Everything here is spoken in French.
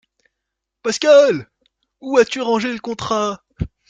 Pascal, où as-tu rangé le contrat?